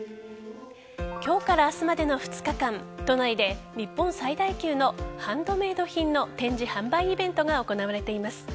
今日から明日までの２日間都内で日本最大級のハンドメイド品の展示・販売イベントが行われています。